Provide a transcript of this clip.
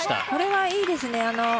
これはいいですね。